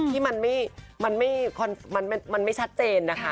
ที่มันไม่ชัดเจนนะคะ